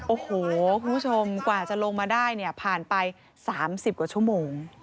โอ้โหคุณผู้ชมกว่าจะลงมาได้เนี่ยผ่านไป๓๐กว่าชั่วโมง